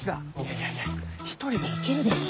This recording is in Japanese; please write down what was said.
いやいや１人で行けるでしょ。